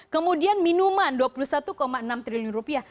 kemudian minuman dua puluh satu enam triliun rupiah